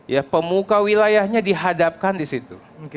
ya pemuka wilayahnya dihadapkan disitu